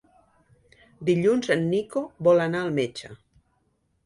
Dilluns en Nico vol anar al metge.